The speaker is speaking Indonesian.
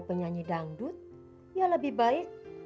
penyanyi dangdut ya lebih baik